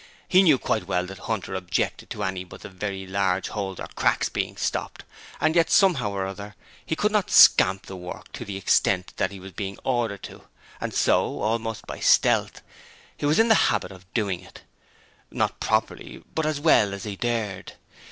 He knew quite well that Hunter objected to any but very large holes or cracks being stopped, and yet somehow or other he could not scamp the work to the extent that he was ordered to; and so, almost by stealth, he was in the habit of doing it not properly but as well as he dared.